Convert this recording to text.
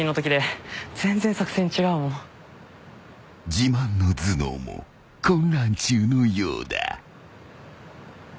［自慢の頭脳も混乱中のようだ］